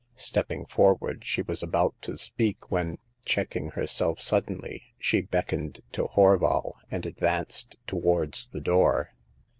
Stepping forward, she was about to speak, when, checking herself suddenly, she beckoned to Horval, and advanced towards the door.